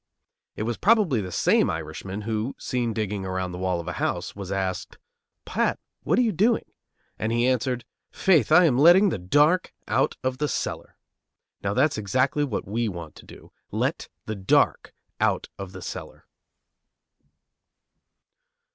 It was probably the same Irishman who, seen digging around the wall of a house, was asked, "Pat, what are you doing?" And he answered, "Faith, I am letting the dark out of the cellar." Now, that's exactly what we want to do, let the dark out of the cellar.